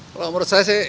kalau menurut saya sih itu